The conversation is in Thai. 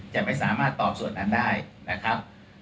จะไม่สามารถตอบส่วนนั้นได้นะครับ